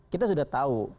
kita sudah tahu